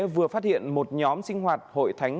vừa phát hiện một nhóm sinh hoạt hội thánh